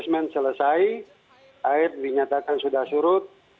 semen selesai air dinyatakan sudah surut